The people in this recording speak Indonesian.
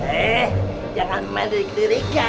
eh jangan main lirik lirikan